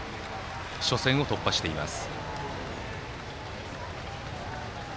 初戦を突破しています。